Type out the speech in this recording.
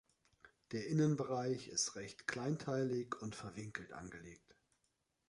Der Innenbereich ist recht kleinteilig und verwinkelt angelegt.